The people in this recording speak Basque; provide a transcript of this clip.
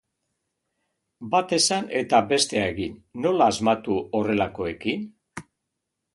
Bat esan eta bestea egin, nola asmatu horrelakoekin?